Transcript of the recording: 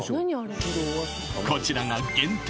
こちらが限定